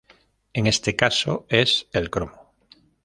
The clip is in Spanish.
En este caso es el cromo.